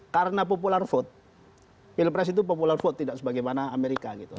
karena popular vote pilpres itu popular vote tidak sebagaimana amerika gitu